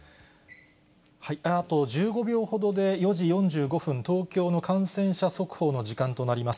あと１５秒ほどで４時４５分、東京の感染者速報の時間となります。